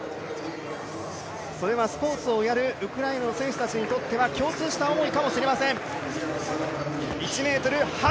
それはスポーツをやるウクライナの選手たちにとっては共通した思いかもしれません。